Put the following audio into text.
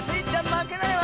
まけないわ！